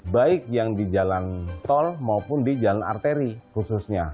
baik yang di jalan tol maupun di jalan arteri khususnya